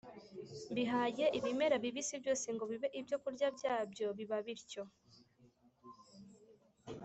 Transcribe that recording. mbihaye ibimera bibisi byose ngo bibe ibyokurya byabyo.” Biba bityo.